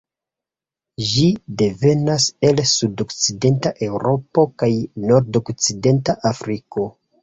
Ĝi devenas el sudokcidenta Eŭropo kaj nordokcidenta Afriko.